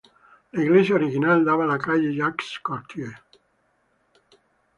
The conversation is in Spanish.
La iglesia original daba a la calle Jacques -Cartier.